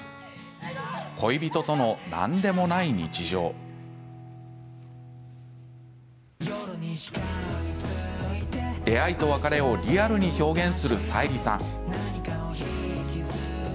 恋人との何でもない日常出会いと別れをリアルに表現する沙莉さん。